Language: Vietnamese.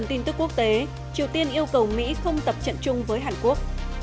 triều tiên yêu cầu mỹ không tập trận chung với hàn quốc